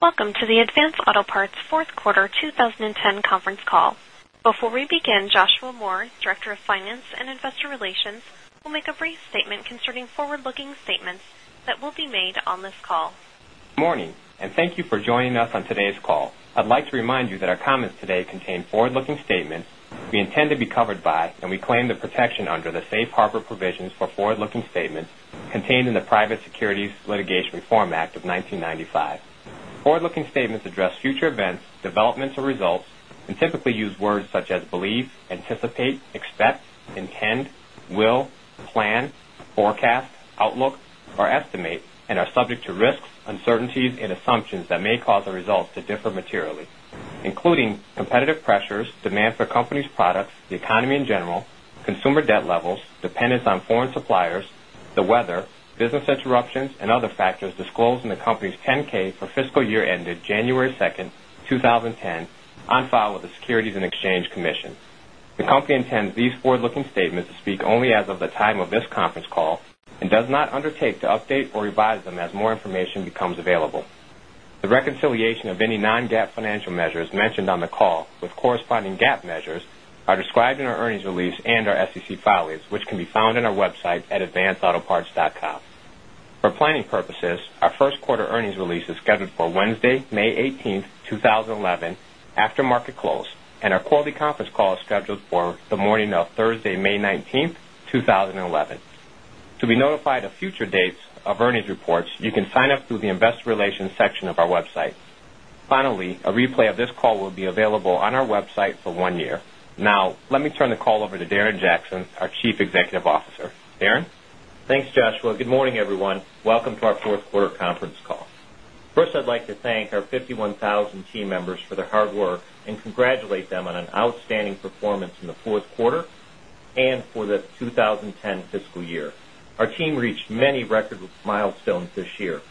Welcome to the Advanced Auto Parts 4th Quarter 2010 Conference Call. Before we begin, Joshua Moore, Director of Finance and Investor Relations, will make a brief statement concerning forward looking statements that will be made on this call. Good morning and thank you for joining us on today's call. I'd like to remind you that our comments today contain forward looking statements we intend to be covered by and we claim the protection under the Safe Harbor provisions for forward looking statements contained in the Private Securities Litigation Reform Act of 1995. Forward looking statements address future events, developments or results and typically use words such as believe, anticipate, expect, intend, will, plan, forecast, outlook or estimate and are subject to risks, uncertainties and assumptions that may cause our results to differ materially, including competitive pressures, demand for company's products, the economy in general, consumer debt levels, dependence on foreign suppliers, the weather, business interruptions and other factors disclosed in the company's 10 ks for fiscal year ended January 2, 2010, on file with the Securities and Exchange Commission. The company intends these forward looking statements to speak only as of the time of this conference call and does not undertake to update or revise them as more information becomes available. The reconciliation of any non GAAP financial measures mentioned on the call with corresponding GAAP measures are described in our earnings release and our SEC filings, which can be found in our website at advancedautoparts.com. For planning purposes, our Q1 earnings release is scheduled for Wednesday, May 18, 2011, after market close, and our quality conference call is scheduled for the morning of Thursday, May 19, 2011. To be notified of future dates of earnings reports, you can sign up through the Investor Relations section of our website. Finally, a replay of this call will be available on our website for 1 year. Now, let me turn the call over to Darren Jackson, our Chief Executive Officer. Darren? Thanks, Joshua. Good morning, everyone. Welcome to our Q4 conference call. First, I'd like to thank our 51,000 team members for their hard work and congratulate them on an outstanding performance in the Q4 and for the 2010 fiscal year. Our team reached many record milestones this year,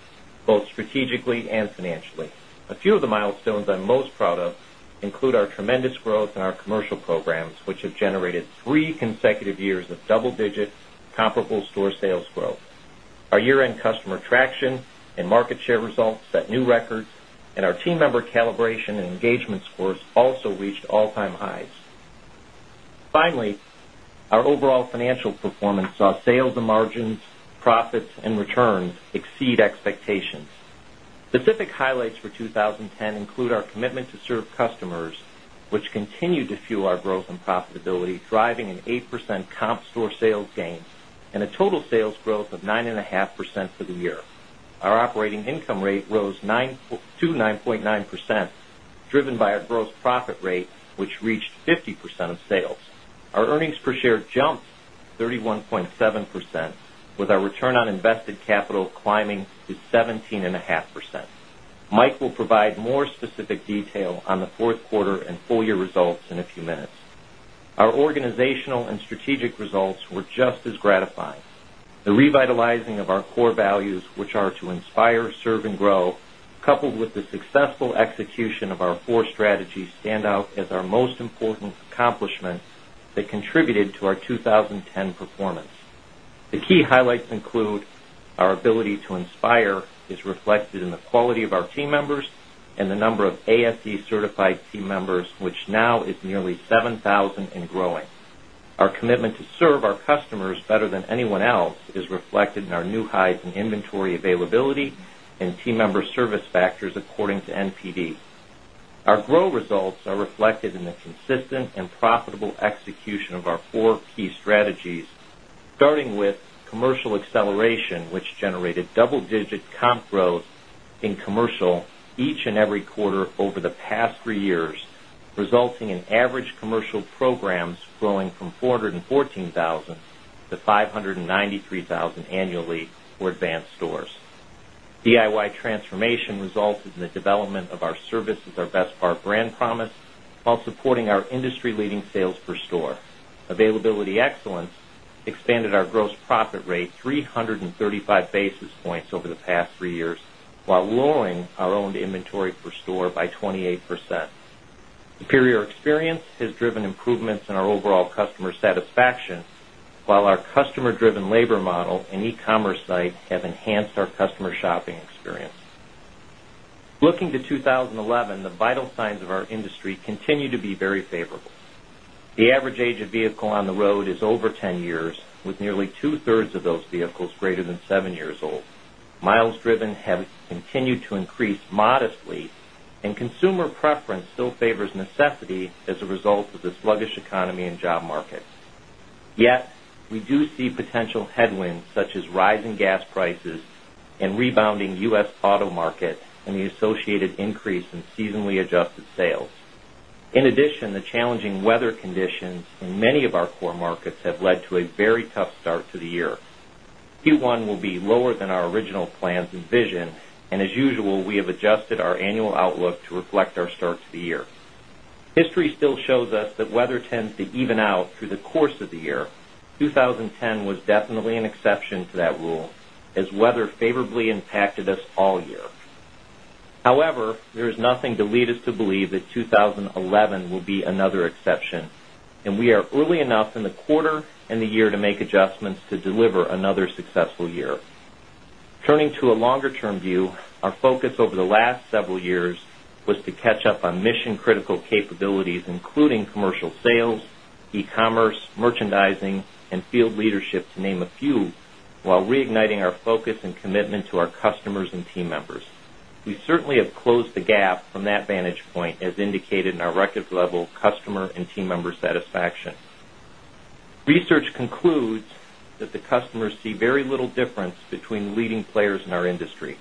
both strategically and financially. A few of the milestones I'm most proud of include our tremendous growth in our commercial programs, which have generated 3 consecutive years of double digit comparable store sales growth. Our year end customer traction and market share results set new records and our team member calibration and engagement scores also reached all time highs. Finally, our overall financial performance saw sales and margins, profits and returns exceed expectations. Specific highlights for 2010 include our commitment to serve customers, which continue to fuel our growth and profitability driving an 8% comp store sales gain and a total sales growth of 9.5% for the year. Our operating income rate rose to 9.9% driven by our gross profit rate which reached 50% of sales. Our earnings per share jumped 31.7% with our return on invested capital climbing to 17.5%. Mike will provide more specific detail on the Q4 and full year results in a few minutes. Our organizational and strategic results were just as gratifying. The revitalizing of our core values, which are to inspire, serve and grow, coupled with the successful execution of our four strategies stand out as our most important accomplishments that contributed to our 2010 performance. The key highlights include our ability to inspire is reflected in the quality of our team members and the number of ASC certified team members which now is nearly 7,000 and growing. Our commitment to serve our customers better than anyone else is reflected in our new highs and inventory availability and team member service factors according to NPD. Our grow results are reflected in the consistent and profitable execution of our 4 key strategies, starting with commercial acceleration, which generated double digit comp growth in commercial each and every quarter over the past 3 years, resulting in average programs growing from 414,000 to 593,000 annually for Advanced Stores. DIY transformation resulted in the development of our service with our Bestpart brand promise while supporting our industry leading sales per store. Availability excellence expanded our gross profit rate 3 35 basis points over the past 3 years while lowering our owned inventory per store by 28%. Superior experience has driven improvements in our overall customer satisfaction, while our customer driven labor model and e commerce site have enhanced our customer shopping experience. Looking to 2011, the vital signs of our industry continue to be very favorable. The average age of vehicle on the road is over 10 years with nearly 2 thirds of those vehicles greater than 7 years old. Miles driven have continued to increase modestly and consumer preference still favors necessity as a result of the sluggish economy and job market. Yet, we do see potential headwinds such as rising gas prices and rebounding U. S. Auto market and the associated increase in seasonally adjusted sales. In addition, the challenging weather conditions in many of our core markets have led to a very tough start to the year. Q1 will be lower than our original plans and vision and as usual we have adjusted our annual outlook to reflect our start to the year. History still shows us that weather tends to even out through the course of the year. 2010 was definitely an exception to that rule as weather favorably impacted us all year. However, there is nothing to lead us to believe that 2011 will be another exception and we are early enough in the quarter and the year to make adjustments to deliver another successful year. Turning to a longer term view, our focus over the last several years was to catch up on mission critical capabilities including commercial sales, e commerce, merchandising and field leadership to name a few, while reigniting our focus and commitment to our customers and team members. We certainly have closed the gap from that vantage point as indicated in our record level customer and team member satisfaction. Research concludes that the customers see very little difference between leading players in our industry.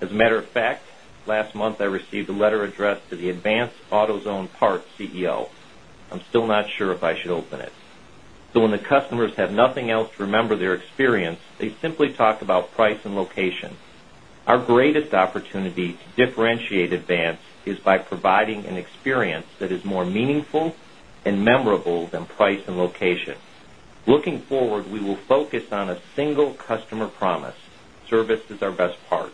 As a matter of fact, last month I received a letter addressed to the Advanced AutoZone Parts CEO. I'm still not sure if I should open it. So when the customers have nothing else to remember their experience, they simply talk about price and location. Our greatest opportunity to differentiate Advance is by providing an experience that is more meaningful and memorable than price and location. Looking forward, we will focus on a single customer promise, service is our best part.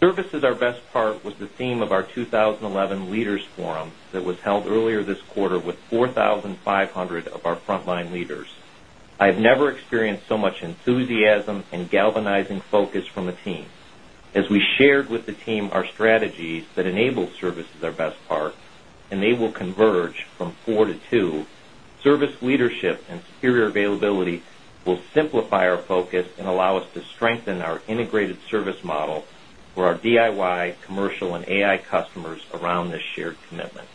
Service is our best part was the theme of our 2011 Leaders Forum that was held earlier this quarter with 4 1500 of our frontline leaders. I have never experienced so much enthusiasm and galvanizing focus from the team. As we shared with the team our strategies that enable service is our best part and they will converge from 4 to 2, service leadership and superior availability will simplify our focus and allow us to strengthen our integrated service model for our DIY, commercial and AI customers around this shared commitment.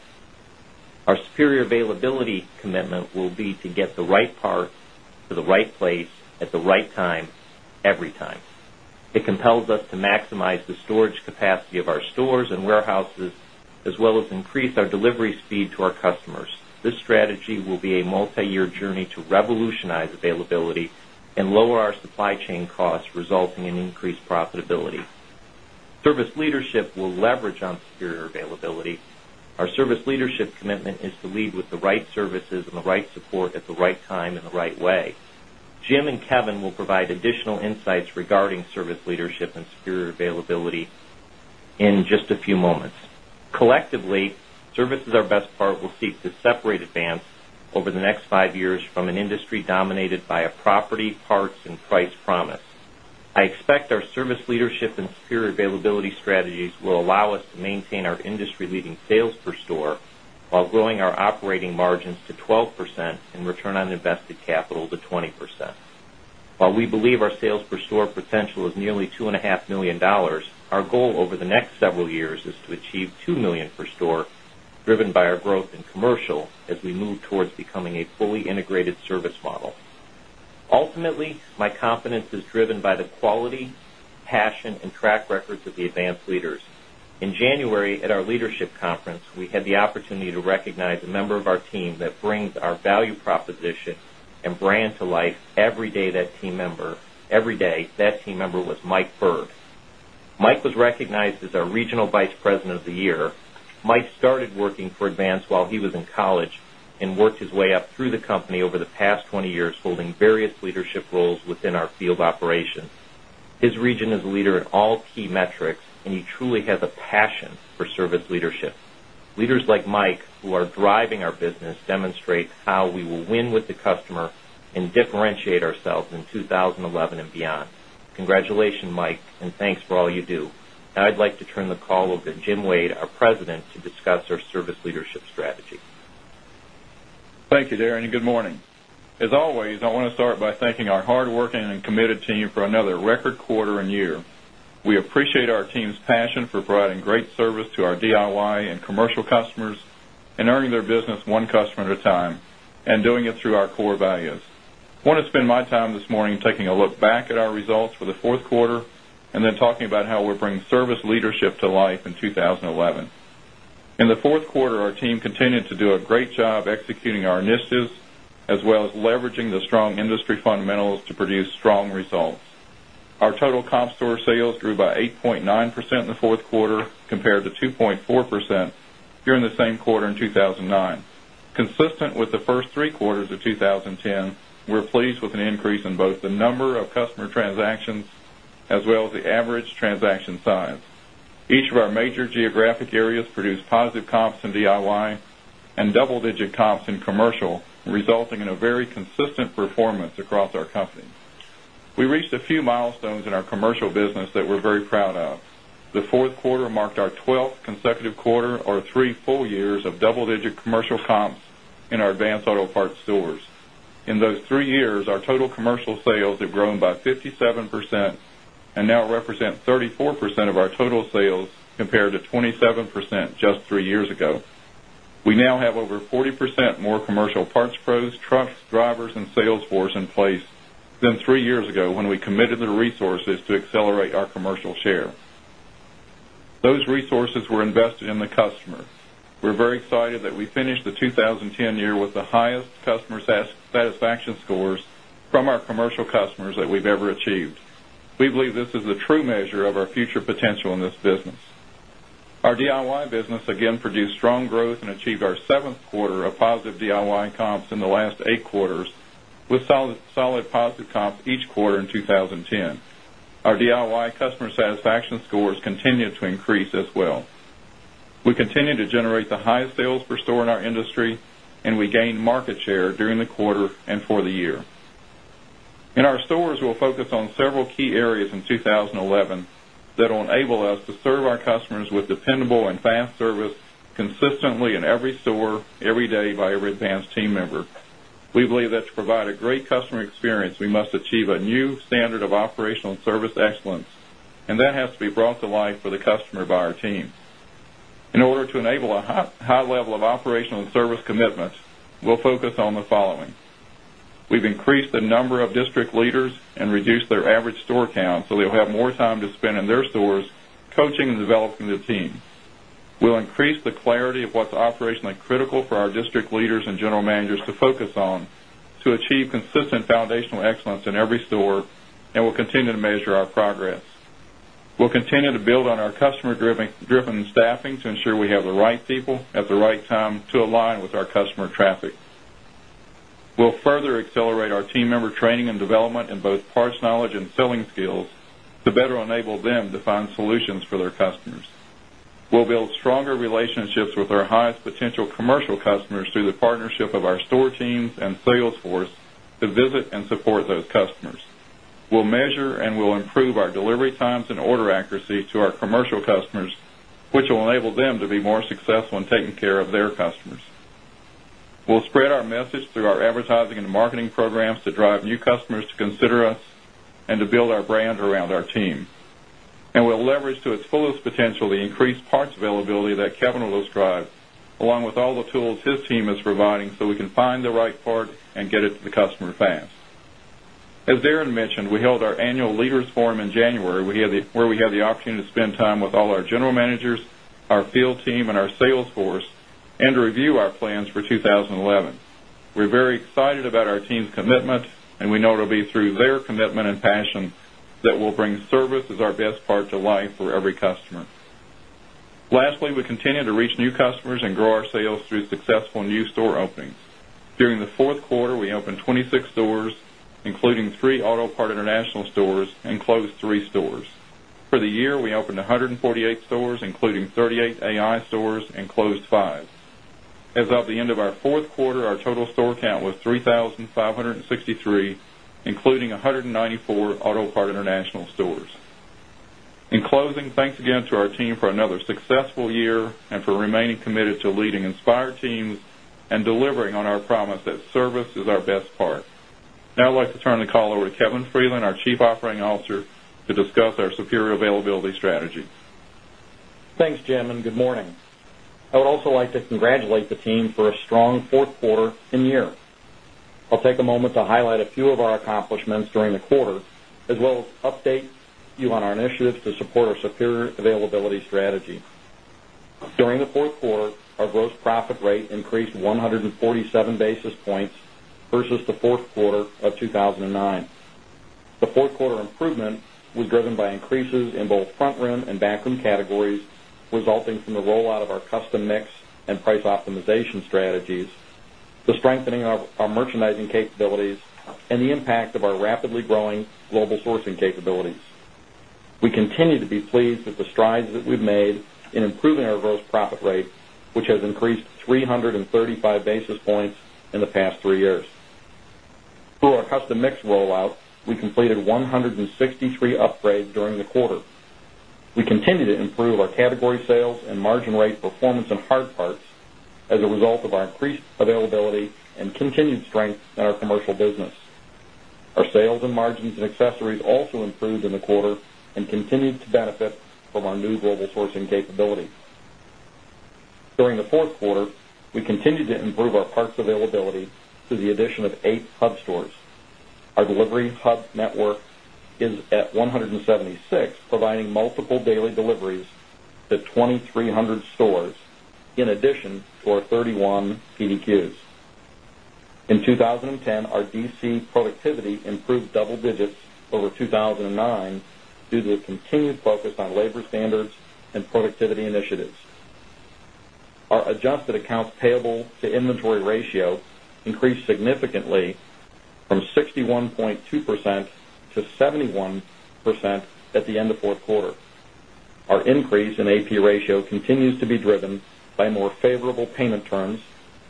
Our superior availability commitment will be to get the right part to the right place at the right time every time. It compels us to maximize the storage capacity of our stores and warehouses as well as increase our delivery speed to our customers. This strategy will be a multi year journey to revolutionize availability and lower our supply chain costs resulting in increased profitability. Service leadership will leverage on superior availability. Our service leadership commitment is to lead with the right services and the right support at the right time in the right way. Jim and Kevin will provide additional insights regarding service leadership and superior availability in just a few moments. Collectively, service is our best part will seek to separate Advance over the next 5 years from an industry dominated by a property, parts and price promise. I expect our service leadership and superior availability strategies will allow us to maintain our industry leading sales per store, while growing our operating margins to 12% and return on invested capital to 20%. While we believe our sales per store potential is nearly $2,500,000 our goal over the next several years is to achieve $2,000,000 per store driven by our growth in commercial as we move towards becoming a fully integrated service model. Ultimately, my confidence is driven by the quality, passion and track records of the advanced leaders. In January at our leadership conference, we had the opportunity to recognize a member of our team that brings our value proposition and brand to life every day that team member was recognized as our Regional Vice President of the Year. Mike started working for Advance while he was in college and worked his way up through the company over the past 20 years holding various leadership roles within our field operations. His region is a leader in all key metrics and he truly has a passion for service leadership. Leaders like Mike who are driving our business demonstrate how we will win with the customer and differentiate ourselves in 2011 and beyond. Congratulations, Mike, and thanks for all you do. Now I'd like to turn the call over to Jim Wade, our President to discuss our service leadership strategy. Thank you, Darren, and good morning. As always, I want to start by thanking our hardworking and committed team for another record quarter year. We appreciate our team's passion for providing great service to our DIY and commercial customers and earning their business one customer at a time and doing it through our core values. I want to spend my time this morning taking a look back at our results for the Q4 and then talking about how we bring service leadership to life in 2011. In the Q4, our team continued to do a great job executing our initiatives as well as leveraging the strong industry fundamentals to produce strong results. Our total comp store sales grew by 8.9% in the 4th quarter compared to 2.4% during the same quarter in 2,009. Consistent with the 1st 3 quarters of 2010, we're pleased with an increase in both the number of customer transactions as well as the average transaction size. Each of our major geographic areas produced positive comps in DIY and double digit comps in commercial resulting in a very consistent performance across our company. We reached a few milestones in our commercial business that we're very proud of. The 4th quarter marked our 12th consecutive quarter or 3 full years of double digit commercial comps in our Advanced Auto Parts stores. In those 3 years, our total commercial sales have grown by 57% and now represent 34% of our total sales compared to 27% just 3 years ago. We now have over 40% more commercial parts pros, trucks, drivers and sales force in place than 3 years ago when we committed the resources to accelerate our commercial share. Those resources were invested in the customer. We're very excited that we finished the 2010 year with the highest customer satisfaction scores from our commercial customers that we've ever achieved. We believe this is the true measure of our future potential in this business. Our DIY business again produced strong growth and achieved our 7th quarter of positive DIY comps in the last 8 quarters with solid positive comps each quarter in 2010. Our DIY customer satisfaction scores continued to increase as well. We continue to generate the highest sales per store in our industry and we gained market share during the quarter and for the year. In our stores, we'll focus on several key areas in 2011 that will enable us to serve our customers with dependable and fast service consistently in every store, every day by our Advanced team member. We believe that to provide a great customer experience, we must achieve a new standard of operational service excellence and that has to be brought to life for the customer by our team. In order to enable a high level of operational and service commitments, we'll focus on the following. We've increased the number of district leaders and reduced their average store count, so they'll have more time to spend in their stores coaching and developing the team. We'll increase the clarity of what's operationally critical for our district leaders and general managers to focus on to achieve consistent foundational excellence in every store and we'll continue to measure our progress. We'll continue to build on our customer driven staffing to ensure we have the right people at the right time to align with our customer traffic. We'll further accelerate our team member training and development in both parts knowledge and selling skills to better enable them to find solutions for their customers. We'll build stronger relationships with our highest potential commercial customers through the partnership of our store teams and sales force to visit and support those customers. We'll measure and we'll improve our delivery times and order accuracy to our commercial customers, which will enable them to be more successful in taking care of their customers. We'll spread our message through our advertising and marketing programs to drive new customers to consider us and to build our brand around our team. And we'll leverage to its fullest potential the increased parts availability that Kevin will describe along with all the tools his team is providing so we can find the right part and get it to the customer fast. As Darren mentioned, we held our annual leaders forum in January where we have the opportunity to spend time with all our general managers, our field team and our sales force and to review our plans for 2011. We're very excited about our team's commitment and we know it will be through their commitment and passion that we'll bring service as our best part to life for every customer. Lastly, we continue to reach new customers and grow our sales through successful new store openings. During the Q4, we opened 26 stores, including 3 AutoPart International stores and closed 3 stores. For the year, we opened 148 stores, including 38 AI stores and closed 5. As of the end of our Q4, our total store count was 3,563, including 194 AutoPart International stores. In closing, thanks again to our team for another successful year and for remaining committed to leading Inspire teams and delivering on our promise that service is our best part. Now I'd like to turn the call over to Kevin Freeland, our Chief Operating Officer to discuss our superior availability strategy. Thanks Jim and good morning. I would also like to congratulate the team for a strong Q4 year. I'll take a moment to highlight a few of our accomplishments during the quarter as well as update you on our initiatives to support our superior availability strategy. During the Q4, our gross profit rate increased 147 basis points versus the Q4 of 2,009. The 4th quarter improvement was driven by increases in both front room and back room categories resulting from the rollout of our custom mix and price optimization strategies, the strengthening of our merchandising capabilities and the impact of our rapidly growing global sourcing capabilities. We continue to be pleased with the strides that we've made in improving our gross profit rate, which has increased 3 35 basis points in the past 3 years. Through our custom mix rollout, we completed 163 upgrades during the quarter. We continue to improve our category sales and margin rate performance in hard parts as a result of our increased availability and continued strength in our commercial business. Our sales and margins in accessories also improved in the quarter and continued to benefit from our new global sourcing capability. During the Q4, we continued to improve our parts availability through the addition of 8 hub stores. Our delivery hub network is at 176 providing multiple daily deliveries to 2,300 stores in addition to our 31 PDQs. In 2010, our DC productivity improved double digits over 2,009 due to the continued focus on labor standards and productivity initiatives. Our adjusted accounts payable to inventory ratio increased significantly from 61.2% to 71% at the end of 4th quarter. Our increase in AP ratio continues to be driven by more favorable payment terms,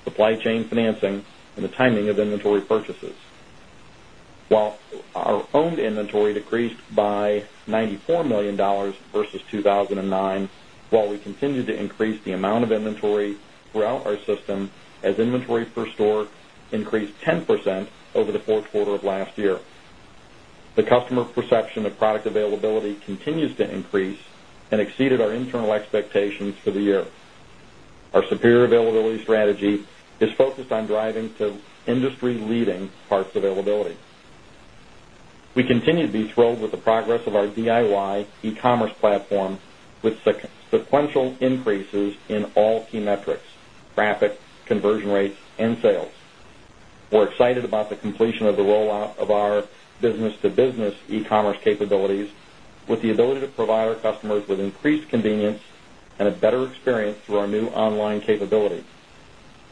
supply chain financing and the timing of inventory purchases. While our owned inventory decreased by $94,000,000 versus 2,009, while we continue to increase the amount of inventory throughout our system as inventory per store increased 10% over the Q4 of last year. The customer perception of product availability continues to increase and exceeded our internal expectations for the year. Our superior availability strategy is focused on driving to industry leading parts availability. We continue to be thrilled with the progress of our DIY e commerce platform with sequential increases in all key metrics, traffic, conversion rates and sales. We're excited about the completion of the rollout of our business to business e commerce capabilities with the ability to provide our customers with increased convenience and a better experience through our new online capability.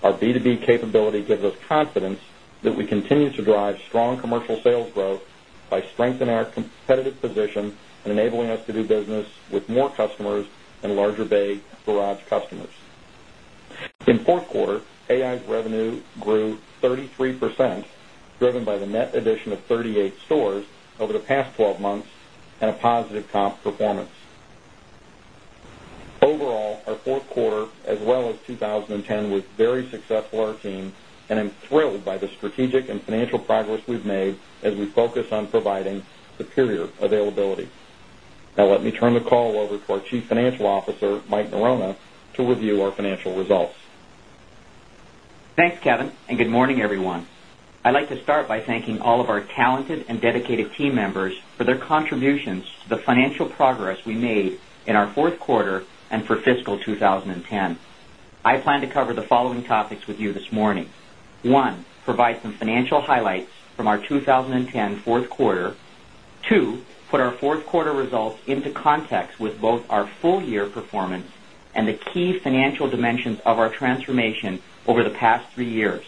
Our B2B capability gives us confidence that we continue to drive strong commercial sales growth by strengthening our competitive position and enabling us to do business with more customers and larger Bay Garage customers. In 4th quarter, AI's revenue grew 33% driven by the net addition of 38 stores over the past 12 months and a positive comp performance. Overall, our Q4 as well as 2010 was very successful our team and I'm thrilled by the strategic and financial progress we've made as we focus on providing superior availability. Now let me turn the call over to our Chief Financial Officer, Mike Norona to review our financial results. Thanks, Kevin, and good morning, everyone. I'd like to start by all of our talented and dedicated team members for their contributions to the financial progress we made in our Q4 and for fiscal 2010. I plan to cover the following topics with you this morning. 1, provide some financial highlights from our 20 10 Q4 2, put our 4th quarter results into context with both our full year performance and the key financial dimensions of our transformation over the past 3 years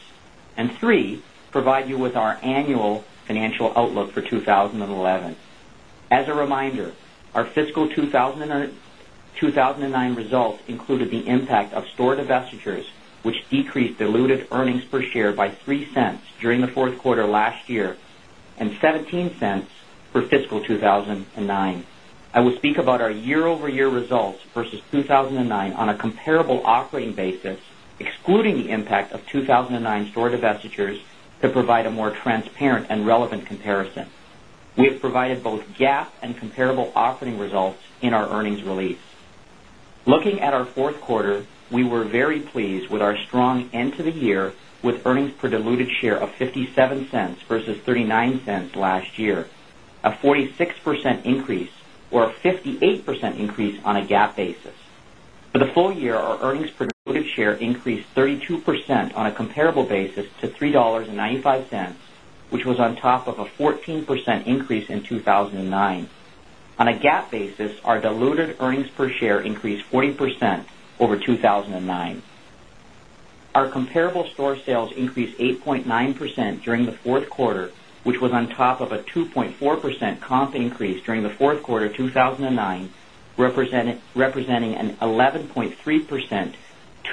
and 3, provide you with our annual financial outlook for 2011. As a reminder, our fiscal 2,009 results included the impact of store divestitures, which decreased diluted earnings per share by $0.03 during the Q4 last year and $0.17 for fiscal 2,009. I will speak about our year over year results versus 2,009 on a comparable operating basis, excluding the impact of 2,009 store divestitures to provide a more transparent and relevant comparison. We have provided both GAAP and comparable operating results in our earnings release. Looking at our Q4, we were very pleased with our strong end to the year with earnings per diluted share of $0.57 versus $0.39 last year, a 46% increase or a 58% increase on a GAAP basis. For the full year, our earnings per diluted share increased 32% on a comparable basis to $3.95 which was on top of a 14% increase in 2,009. On a GAAP basis, our diluted earnings per share increased 40% over 2,009. Our comparable store sales increased 8.9% during the Q4, which was on top of a 2.4% comp increase during the Q4 of 2,009, representing an 11.3 percent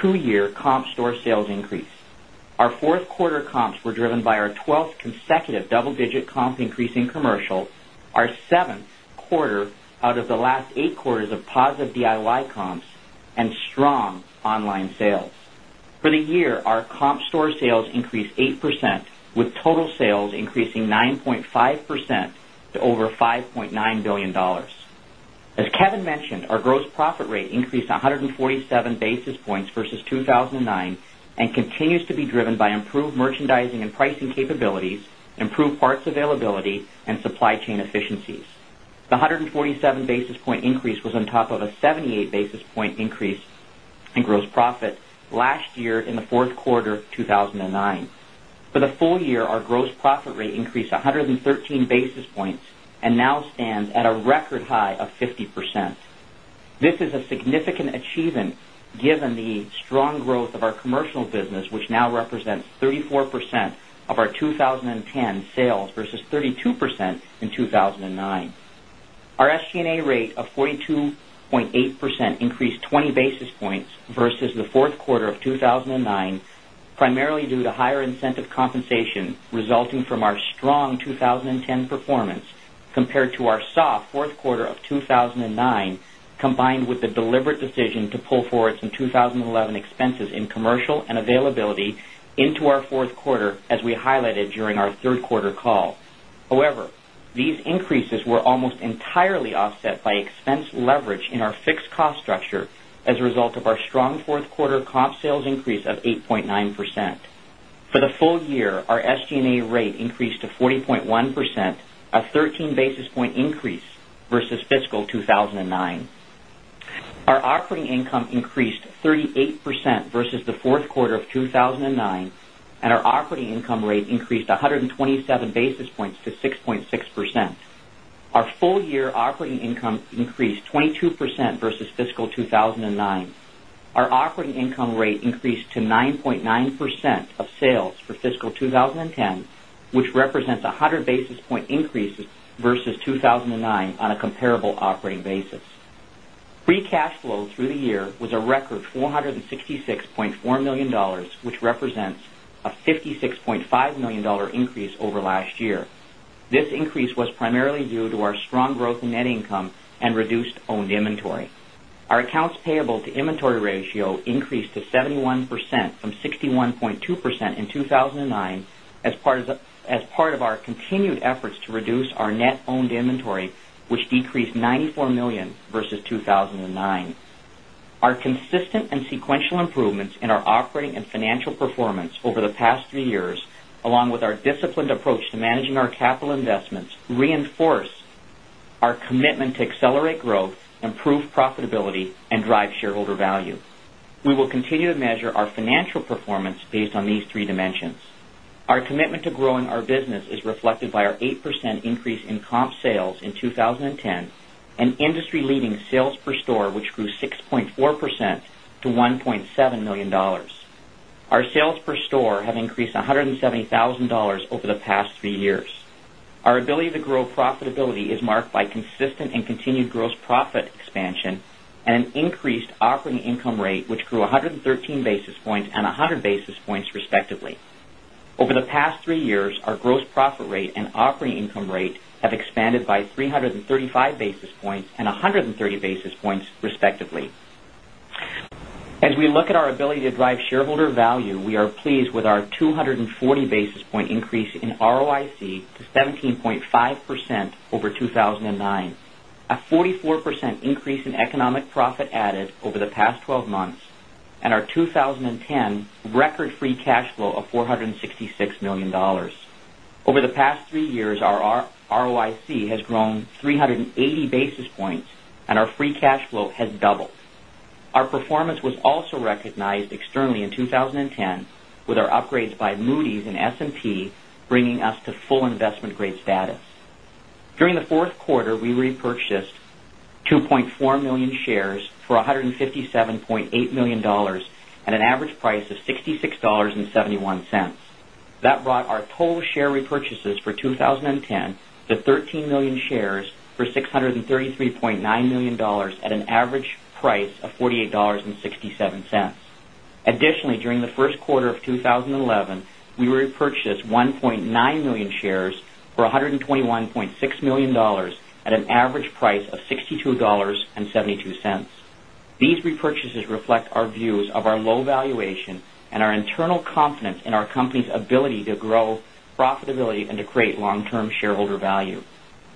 2 year comp store sales increase. Our 4th quarter comps were driven by our 12th consecutive double digit comp increase in commercial, our 7th quarter out of the last 8 quarters of positive DIY comps and strong online sales. For the year, our comp store sales increased 8% with total sales increasing 9.5% to over $5,900,000,000 As Kevin mentioned, our gross profit rate increased 147 basis points versus 2,009 and continues to be driven by improved merchandising and pricing capabilities, improved parts availability and supply chain efficiencies. The 147 basis point increase was on top of a 78 basis point increase in gross profit last year in Q4 of 2009. For the full year, our gross profit rate increased 113 basis points and now stands at a record high of 50%. This is a significant achievement given the strong growth of our commercial business, which now represents 34% of our 2010 sales versus 32% in 2,009. Our SG and A rate of 42.8 percent increased 20 basis points versus the Q4 of 2,009, primarily due to higher incentive compensation resulting from our strong 2010 performance compared to our soft Q4 of 2,009 combined with the deliberate decision to pull forward some 2011 expenses in commercial and availability into our Q4 as we highlighted during our Q3 call. However, these increases were almost entirely offset by expense leverage in our fixed cost structure as a result of our strong 4th quarter comp sales increase of 8.9%. For the full year, our SG and A rate increased to 40.1%, a 13 basis point increase versus fiscal 2,009. Our operating income increased 38% versus the Q4 of 2009 and our operating income rate increased 127 basis points to 6.6%. Our full year operating income increased 22% versus fiscal 2,009. Our operating income rate increased to 9.9% of sales for fiscal 2010, which represents 100 basis point increases versus 1,009 on a comparable operating basis. Free cash flow through the year was a record $466,400,000 which represents a $56,500,000 increase over last year. This increase was primarily due to our strong growth in net income and reduced owned inventory. Our accounts payable to inventory ratio increased to 71% from 61.2% in 2,009 as part of our continued efforts to reduce our net owned inventory, which decreased $94,000,000 versus 2,009. Our consistent and sequential improvements in our operating and financial performance over the past 3 years, along with our disciplined approach to managing our capital investments, reinforce our commitment to accelerate growth, improve profitability and drive shareholder value. We will continue to measure our financial performance based on these three dimensions. Our commitment to growing our business is reflected by our 8% increase in comp sales in 2010 and industry leading sales per store, which grew 6.4 percent to $1,700,000 Our sales per store have increased $170,000 over the past 3 years. Our ability to grow profitability is marked by consistent and continued gross profit expansion and an increased operating income rate, which grew 113 basis points and 100 basis points respectively. Over the past 3 years, our gross profit rate and operating income rate have expanded by 3 35 basis points and 130 basis points respectively. As we look at our ability to drive shareholder value, we are pleased with our 240 basis point increase in ROIC to 17.5% over 2,009, a 44% increase in economic profit added over the past 12 months and our 2010 record free cash flow of $466,000,000 Over the past 3 years, our ROIC has grown 380 basis points and our free cash flow has doubled. Our performance was also recognized externally in 2010 with our upgrades by Moody's and S and P bringing us to full investment grade status. During the Q4, we repurchased 2,400,000 shares for $157,800,000 at an average price of $66.71 That brought our total share repurchases for 2010 to 13,000,000 shares for $633,900,000 at an average price of $48.67 Additionally, during the Q1 of 2011, we repurchased 1,900,000 shares for $121,600,000 at an average price of $62.72 These repurchases reflect our views of our low valuation and our internal confidence in our company's ability to grow profitability and to create long term shareholder value.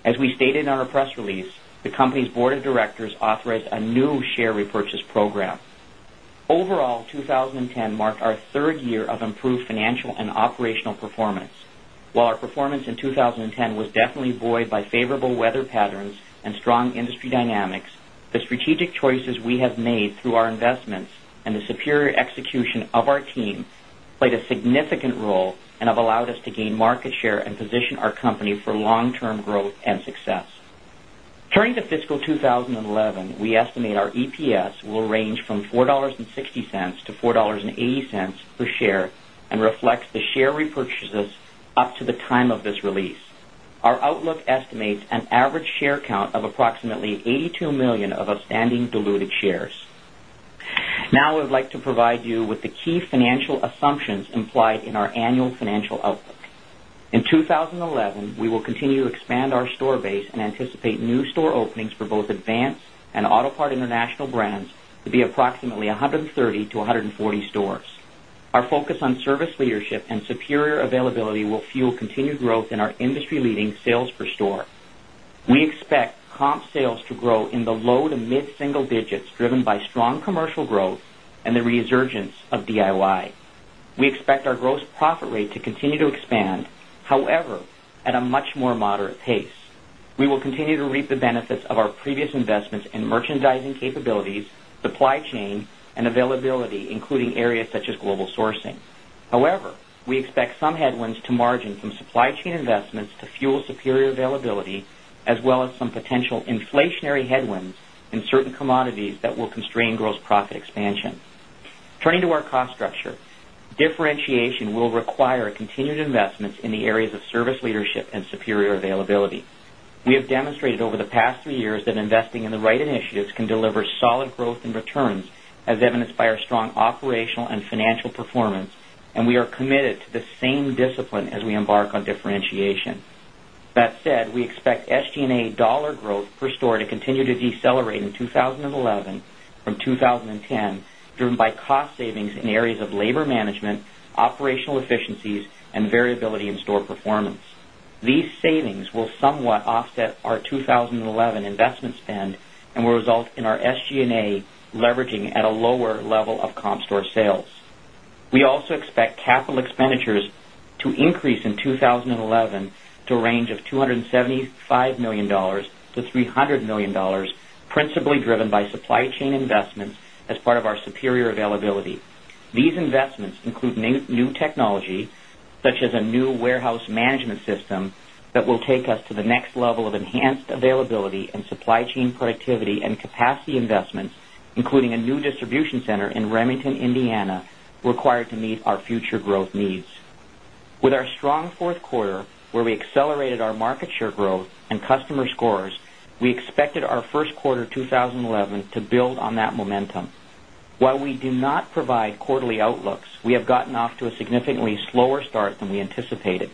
As we stated in our press release, the company's Board of Directors authorized a new share repurchase program. Overall, 2010 marked our 3rd year of improved financial and operational performance. While our performance in 2010 was definitely buoyed by favorable weather patterns and strong industry dynamics, the strategic choices we have made through our investments and the superior execution of our team played a significant role and have allowed us to gain market share and position our company for long term growth and success. Turning to fiscal 2011, we estimate our EPS will range from $4.60 to $4.80 per share and reflects the share repurchases up to the time of this release. Our outlook estimates an average share count of approximately 82,000,000 of outstanding diluted shares. Now I would like to provide you with the key financial assumptions implied in our annual financial outlook. In 2011, we will continue to expand our store base and anticipate new store openings for both Advance and Auto Parts International Brands to be approximately 130 to 140 stores. Our focus on service leadership and superior availability will fuel continued growth in our industry leading sales per store. We expect comp sales to grow in the low to mid single digits driven by strong commercial growth and the resurgence of DIY. We expect our gross profit rate to continue to expand, however, at a much more moderate pace. We will continue to reap the benefits of our previous investments in merchandising capabilities, supply chain and availability including areas such as global sourcing. However, we expect some headwinds to margin from supply chain investments to fuel superior availability as well as some potential inflationary headwinds in certain commodities that will constrain gross profit expansion. Turning to our cost structure. Differentiation will require continued investments in the areas of service leadership and superior availability. We have demonstrated over the past 3 years that investing in the right initiatives can deliver solid growth and returns as evidenced by our strong operational and financial performance and we are committed to the same discipline as we embark on differentiation. That said, we expect SG and A dollar growth per store to continue to decelerate in 2011 from 2010 driven by cost savings in areas of labor management, operational efficiencies and variability in store performance. These savings will somewhat offset our 20 11 investment spend and will result in our SG and A leveraging at a lower level of comp store sales. We also expect capital expenditures to increase in 20.11 to a range of $275,000,000 to $300,000,000 principally driven by supply chain investments as part of our superior availability. These investments include new technology such as a new warehouse management system that will take us to the next level of enhanced availability and supply chain productivity and capacity investments, including a new distribution center in Remington, Indiana required to meet our future growth needs. With our strong Q4, where we accelerated our market share growth and customer scores, we expected our Q1 2011 to build on that momentum. While we do not provide quarterly outlooks, we have gotten off to a significantly slower start than we anticipated.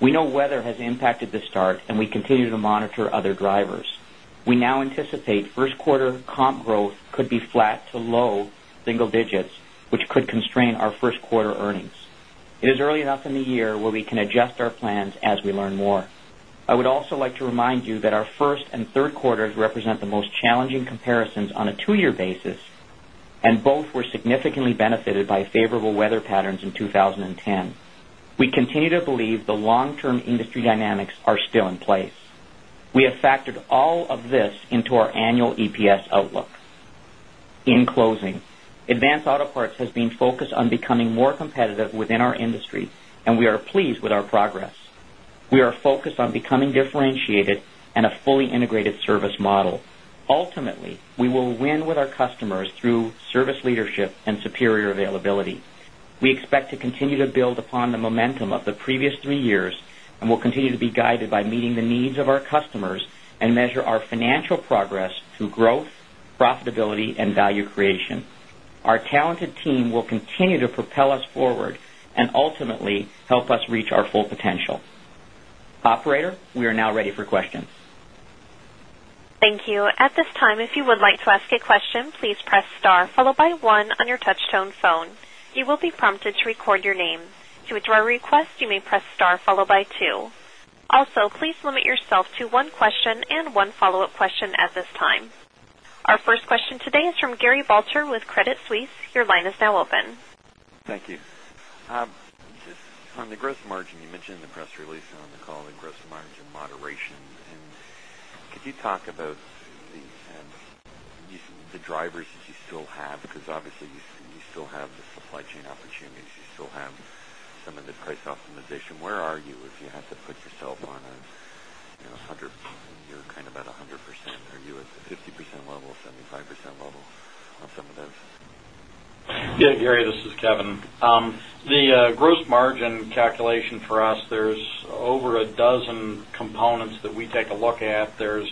We know weather has impacted the start and we continue to monitor other drivers. We now anticipate 1st quarter comp growth could be flat to low single digits, which could constrain our Q1 earnings. It is early enough in the year where we can adjust our plans as we learn more. I would also like to remind you that our 1st and third quarters represent the most challenging comparisons on a 2 year basis and both were significantly benefited by favorable weather patterns in 2010. We continue to believe the long term industry dynamics are still in place. We have factored all of this into our annual EPS outlook. In closing, Advanced Auto Parts has been focused on becoming more competitive within our industry and we are pleased with our progress. We are focused on becoming differentiated and a fully integrated service model. Ultimately, we will win with our customers through service leadership and superior availability. We expect to continue to build upon the momentum of the previous 3 years and we'll continue to be guided by meeting the needs of our customers and measure our financial progress through growth, profitability and value creation. Our talented team will continue to propel us forward and ultimately help us reach our full potential. Operator, we are now ready for questions. Thank you. Our first question today is from Gary Vaucher with Credit Suisse. Your line is now open. Thank you. Just on the gross margin, you mentioned in the press release and on the call the gross margin moderation. And could you talk about the drivers that you still have because obviously you still have the supply chain opportunities, you still have some of the you still have some of this price optimization. Where are you if you have to put yourself on a 100 you're kind of at 100%, are you at the 50% level, 75% level on some of those? Yes. Gary, this is Kevin. The gross margin calculation for us, there's over a dozen components that we take a look at. There's,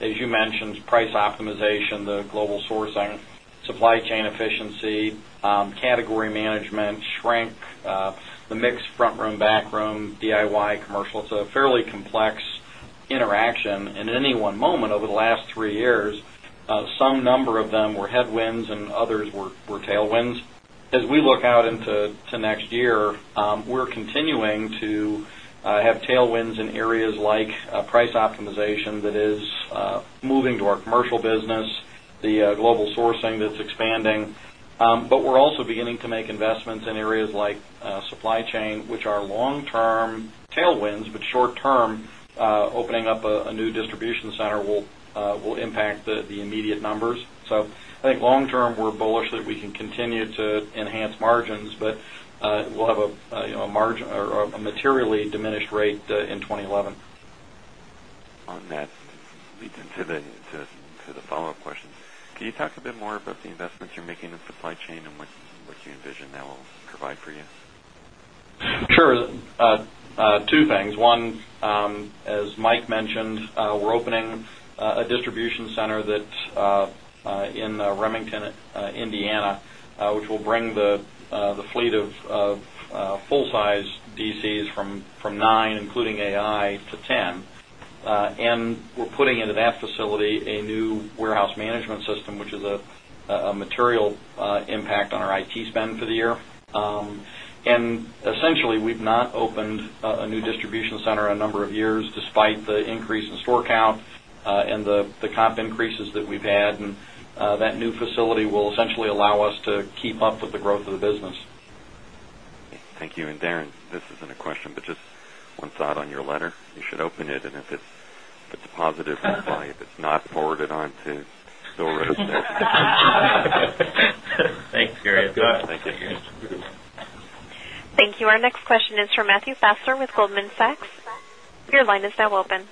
as you mentioned, price optimization, the global sourcing, supply chain efficiency, category management, shrink, the mix front room, back room, DIY, commercial, so fairly complex interaction in any one moment over the last 3 years. Some number of them were headwinds and others were tailwinds. As we look out into next year, we're continuing to have tailwinds in areas like price optimization that is moving to our commercial business, the global sourcing that's expanding, but we're also beginning to make investments in areas like supply chain, which are long term tailwinds, but short term opening up a new distribution center will impact the immediate numbers. So I think long term, we're bullish that we can continue to enhance margins, but we'll have a materially diminished rate in 2011. That leads into the follow-up question. Can you talk a bit more about the investments you're making in supply chain and what you envision that will provide for you? Sure. Two things. 1, as Mike mentioned, we're opening a distribution center that's in Remington, Indiana, which will bring the fleet of full size DCs from 9, including AI, to 10. And we're putting into that facility a new warehouse management system, which is a material impact on our IT spend for the year. And essentially, we've not opened a new distribution center in a number of years despite the increase in store count and the comp increases that we've had and that new facility will essentially allow us to keep up with the growth of the business. Thank you. And Darren, this isn't a question, but just one thought on your letter, you should open it and if it's a positive reply, if it's not forwarded on to still rose there. Thanks, Gary. Thank you. Thank you. Our next question is from Matthew Fassler with Goldman Sachs. Your line is now open.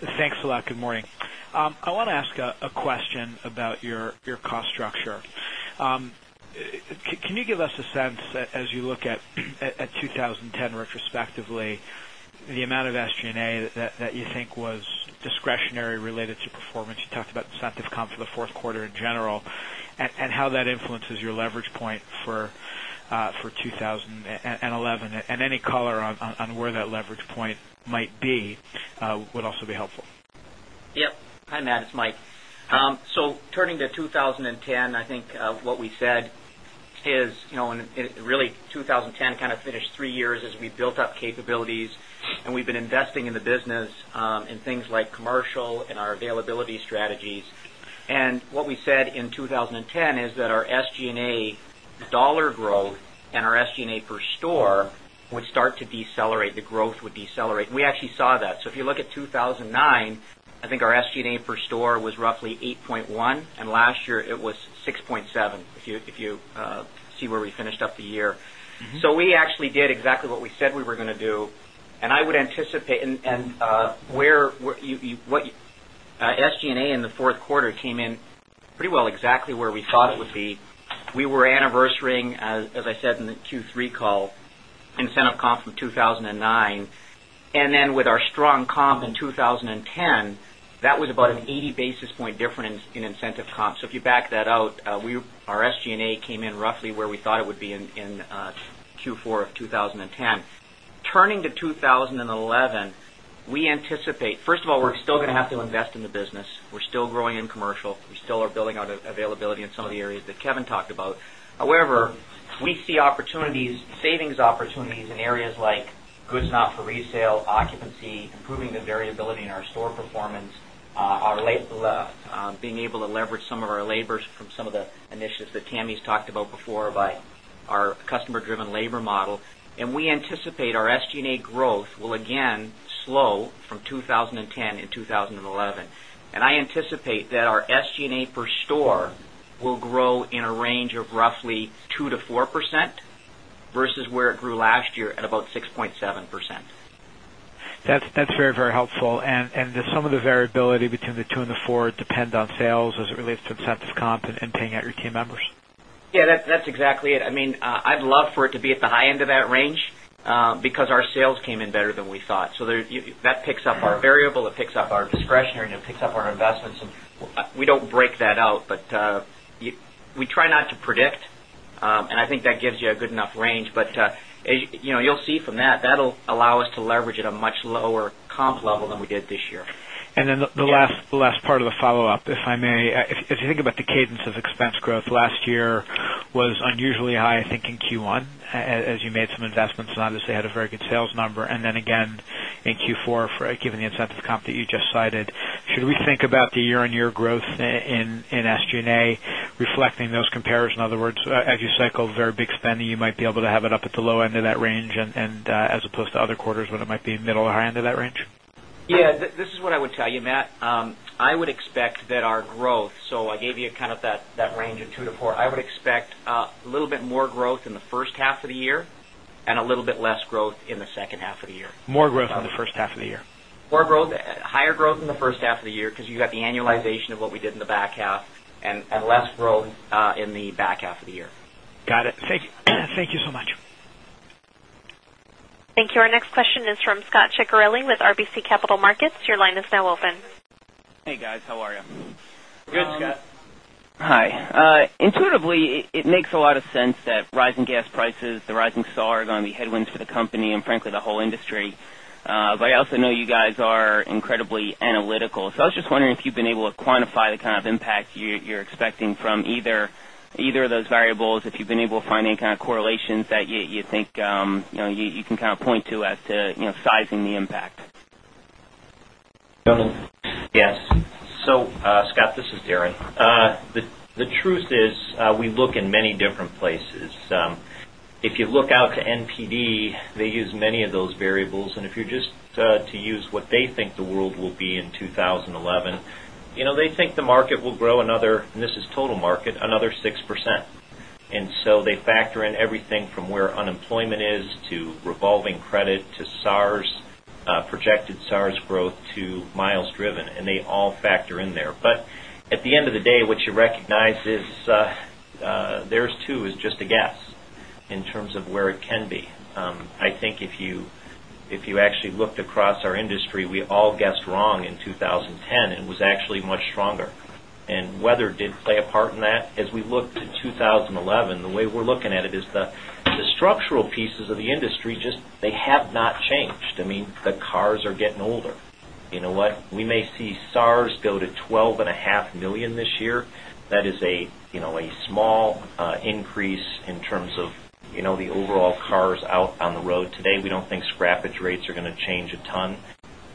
Thanks a lot. Good morning. I want to ask a question about your cost structure. Can you give us a sense as you look at 2010 retrospectively, the amount of SG and A that you think was discretionary related to performance? You talked about incentive comp for the Q4 in general and how that influences your leverage point for 2011? And any color on where that leverage point might be would also be helpful. Yes. Hi, Matt, it's Mike. So turning to 2010, I think what we said is really 2010 kind of finished 3 years as we built up capabilities and we've been investing in the business in things like commercial and our availability strategies. And what we said in 2010 is that our SG and A dollar growth and our SG and A per store would start to decelerate, the growth would decelerate. We actually saw that. So if you look at 2,009, I think our SG and A per store was roughly 8.1 and last year it was 6.7, if you see where we finished up the year. So pretty well exactly where we thought it would be. We were anniversarying, as I said in the Q3 call, incentive comp from 2,009. And then with our strong comp in 2010, that was about an 80 basis point difference in incentive comps. So if you back that out, our SG and A came in roughly where we thought it would be in Q4 of 2010. Turning to 2011, we anticipate, 1st of all, we're still going to have to invest in the business. We're still growing in commercial. We still are building out availability in some of the areas that Kevin talked about. However, we see opportunities, savings opportunities in areas like goods not for resale, occupancy, improving the variability in our store performance, being able to leverage some of our labors from some of the initiatives that Tammy has talked about before by our customer driven labor model. And we anticipate our SG and A growth will again slow from 2010 2011. And I anticipate that our SG and A per store will grow in a range of roughly 2% to 4% versus where it grew last year at about 6.7%. That's very, very helpful. And some of the variability between the 2% and the 4% depend on sales as it relates to incentive comp and paying out your team members? Yes, that's exactly it. I mean, I'd love for it to be at the high end of that range, because our sales came in better than we thought. So that picks up our variable, it picks up our discretionary and it picks up our investments. We don't break that out, but we try not to predict. And I think that gives you a good enough range, but you'll see from that, that will allow us to leverage at a much lower comp level than we did this year. And then the last part of the follow-up, if I may. If you think about cadence of expense growth last year was unusually high, I think, in Q1 as you made some investments and obviously had a very good sales number. And then again in Q4 given the incentive comp that you just cited, should we think about the year on year growth in SG and A reflecting those compares? In other words, as you cycle very big spending, you might be able to have it up at the low end of that range and as opposed to other quarters when it might be middle or high end of that range? Yes. This is what I would tell you, Matt. I would expect that our growth, so I gave you kind of that range of 2% to 4%. I would expect a little bit more growth in the first half of the year and a little bit less growth in the second half of the year. More growth in the first half of the year. More growth higher growth in the first half of the year, because you got the annualization of what we did in the back half and less growth in the back half of the year. Got it. Thank you so much. Thank you. Our next question is from Scot Ciccarelli with RBC Capital Markets. Your line is now open. Hey, guys. How are you? Good, Scot. Hi. Intuitively, it makes a lot of sense that rising gas prices, the rising SAAR are going to be headwinds for the company and frankly the whole industry. But I also know you guys are incredibly analytical. So I was just wondering if you've been able to quantify the kind of impact you're expecting from either of those variables, if you've been able to find any kind of correlations that you think you can kind of point to as to sizing the impact? Yes. So Scott, this is Darren. The truth is we look in many different places. If you look out to NPD, they use many of those variables. And if you're just to use what they think the world will be in 2011, they think the market will grow another and this is total market, another 6%. And so they factor in everything from where unemployment is to revolving credit to SARS projected SARS growth to miles driven, and they all factor in there. But at the end of the day, what you recognize is theirs too is just a guess in terms of where it can be. I think if you actually looked across our industry, we all guessed wrong in 2010 and was actually much stronger. And weather did play a part in that. As we look to 2011, the way we're looking at it is the structural pieces of the industry just they have not changed. I mean, the cars are getting older. You know what, we may see SARs go to $12,500,000 this year. That is a small increase in terms of the overall cars out on the road. Today, we don't think scrappage rates are going to change a ton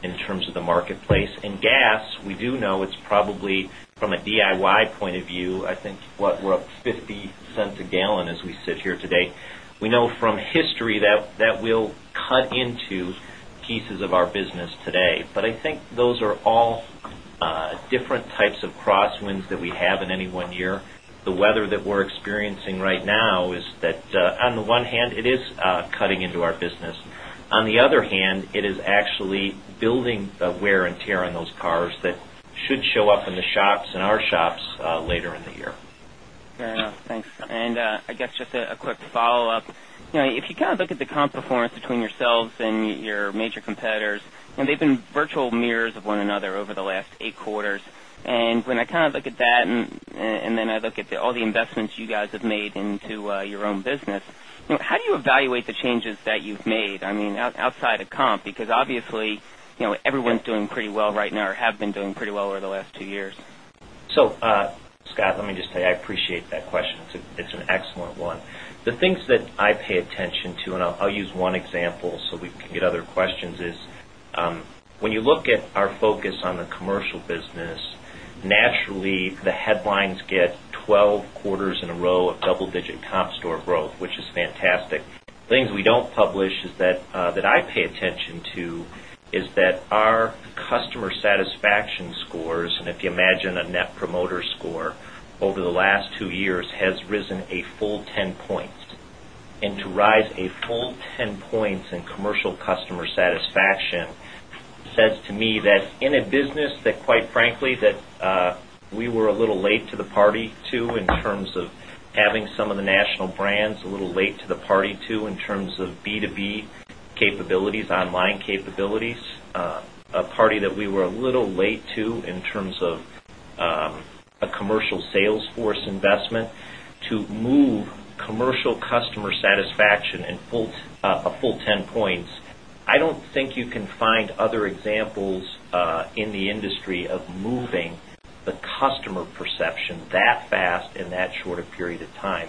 in terms of the marketplace. In gas, we do know it's probably from a DIY point of view, I think, what, we're up $0.50 a gallon as we sit here today. We know from history that that will cut into pieces of our business today. But I think those are all different types of crosswinds that we have in any one year. The weather that we're experiencing right now is that on the one hand it is cutting into our business. On the other hand, it is actually building the wear and tear on those cars that should show up in the shops and our shops later in the year. Fair enough. Thanks. And I guess just a quick follow-up. If you kind of look at the comp performance between yourselves and your major competitors, they've been virtual mirrors of one another over the last 8 quarters. And when I kind of look at that and then I look at all the investments you guys have made into your own business, how do you evaluate the changes that you've made? I mean outside of comp because obviously everyone is doing pretty well right now or have been doing pretty well over the last 2 years. So, Scott, let me just say, I appreciate that question. It's an excellent one. The things that I pay attention to and I'll use one example, so we can get other questions is, when you look at our focus on the commercial business, naturally the headlines get 12 quarters in a row of double digit comp store growth, which is fantastic. Things we don't publish is that that I pay attention to is that our customer satisfaction scores and if you imagine a net promoter score over the last 2 years has risen a full 10 points. And to rise a full 10 points in commercial customer satisfaction says to me that in a business that quite frankly that we were a little late to the party to in terms of having some of the national brands, a little late to the party to in terms of B2B capabilities, online capabilities, a party that we were a little late to in terms of a commercial sales force investment to move commercial customer satisfaction in full a full 10 points. I don't think you can find other examples in the industry of moving the customer perception that fast in that short a period of time.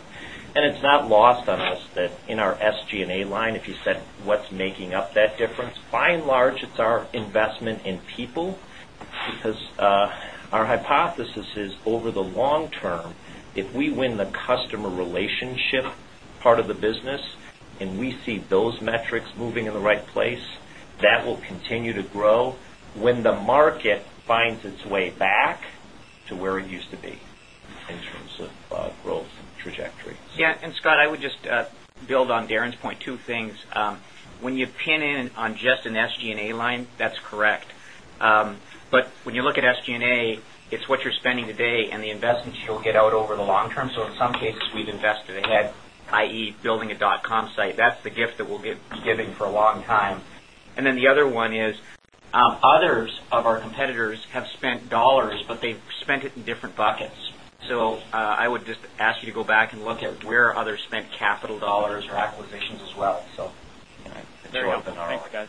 And it's not lost on us that in our SG and A line, if you said what's making up that difference, by and large, it's our investment in people, because our hypothesis is over the long term, if we win the customer relationship part of the business and we see those metrics moving in the right place, that will continue to grow when the market finds its way back to where it used to be in terms of growth trajectory. Yes. And Scott, I would just build on Darren's point, 2 things. When you pin in on just an SG and A line, that's correct. But when you look at SG and A, it's what you're spending today and the investments you'll get out over the long term. So in some cases, we've invested ahead, I. E, building a dotcom site. That's the gift that we'll be giving for a long time. And then the other one is, others of our competitors have spent dollars, but they've spent it in different buckets. So I would just ask you to go back and look at where others spent capital dollars or acquisitions as well. Thanks, guys.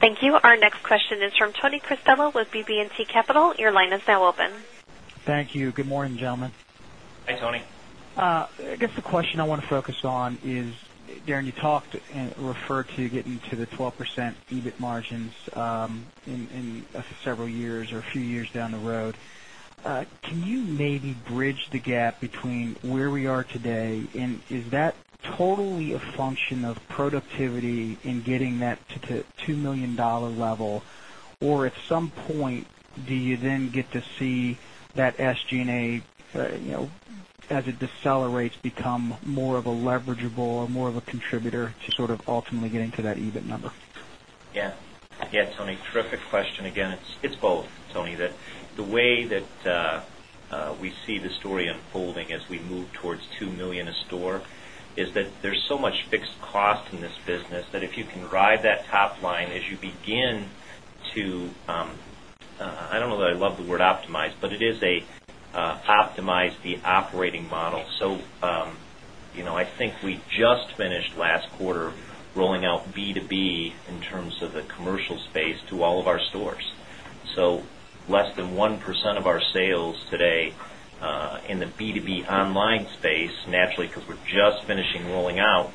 Thank you. Our next question is from Tony Cristobal with BB and T Capital. Your line is now open. Thank you. Good morning, gentlemen. Hi, Tony. I guess the question I want to focus on is, Darren you talked and referred to getting to the 12% EBIT margins in several years or a few years down the road. Can you maybe bridge the gap between where we are today? And is that totally a function of productivity in getting that $2,000,000 level? Or at some point, do you then get to see that SG and A as it decelerates become more of a leverageable or more of a contributor to sort of ultimately getting to that EBIT number? Yes. Yes, Tony, terrific question. Again, it's both, Tony. The way that we see the story unfolding as we move towards $2,000,000 a store is that there's so much fixed cost in this business that if you can ride that top line as you begin to, I don't know that I love the word optimize, but it is a optimize the operating model. So I think we just finished last quarter rolling out B2B in terms of the commercial space to all of our stores. So less than 1% of our sales today in the B2B online space, naturally, because we're just finishing rolling out,